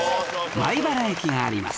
米原駅があります